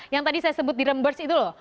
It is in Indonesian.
yang tadi saya sebut di rembers itu loh